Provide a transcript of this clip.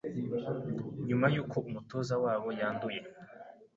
nyuma y'uko umutoza wabo yanduye